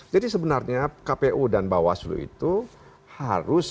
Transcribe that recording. jadi sebenarnya kpu dan bawaslu itu